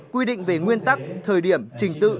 quy định về nguyên tắc thời điểm trình tự